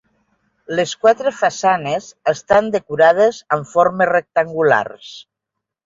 Les quatre façanes estan decorades amb formes rectangulars.